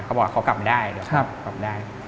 เขาบอกเขากลับไม่ได้เดี๋ยวกลับได้